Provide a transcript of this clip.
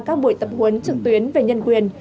các buổi tập huấn trực tuyến về nhân quyền